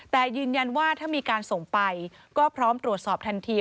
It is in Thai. แต่ยืนยันว่าถ้ามีการส่งไปก็พร้อมตรวจสอบทันที